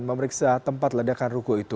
dan memeriksa tempat ledakan